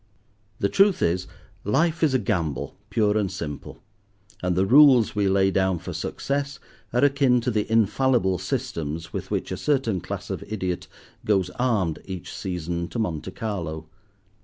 The truth is, life is a gamble pure and simple, and the rules we lay down for success are akin to the infallible systems with which a certain class of idiot goes armed each season to Monte Carlo.